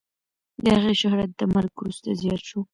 د هغې شهرت د مرګ وروسته زیات شو.